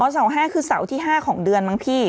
อ๋อเสาห้าคือเสาที่ห้าของเดือนมั้งพี่